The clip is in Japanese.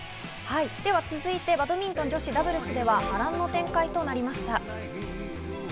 続いてバドミントン女子ダブルスでは波乱の展開となりました。